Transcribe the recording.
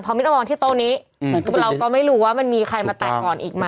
พอมินทำลองที่โต๊ะนี้เราก็ไม่รู้ว่ามันมีใครมาแตกก่อนอีกมั้ย